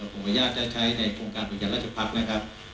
ผมพยายามจะใช้ในโครงการประกันราชภักรณ์นะครับ